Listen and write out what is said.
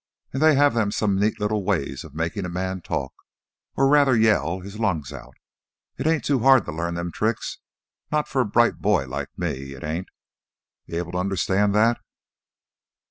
An' they have them some neat little ways of makin' a man talk, or rather yell, his lungs out. It ain't too hard to learn them tricks, not for a bright boy like me, it ain't. You able to understand that?"